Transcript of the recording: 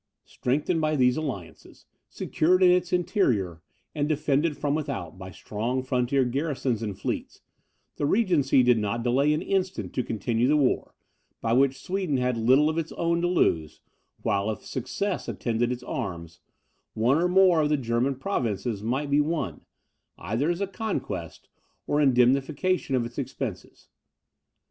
Strengthened by these alliances, secured in its interior, and defended from without by strong frontier garrisons and fleets, the regency did not delay an instant to continue a war, by which Sweden had little of its own to lose, while, if success attended its arms, one or more of the German provinces might be won, either as a conquest, or indemnification of its expenses.